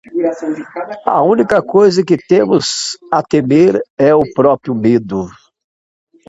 A única coisa que temos a temer é o próprio medo.